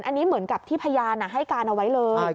อันนี้เหมือนกับที่พยานให้การเอาไว้เลย